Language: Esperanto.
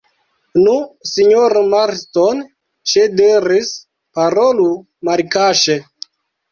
Nu, sinjoro Marston, ŝi diris, parolu malkaŝe.